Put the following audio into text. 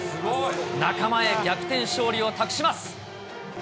仲間へ逆転勝利を託します。